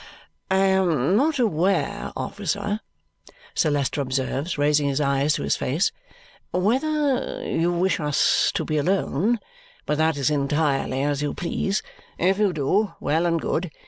"I am not aware, officer," Sir Leicester observes; raising his eyes to his face, "whether you wish us to be alone, but that is entirely as you please. If you do, well and good.